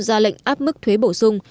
ra lệnh áp mức thuế bổ sung